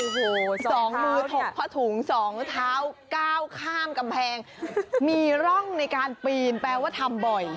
โอ้โหสองมือถกผ้าถุงสองเท้าก้าวข้ามกำแพงมีร่องในการปีนแปลว่าทำบ่อย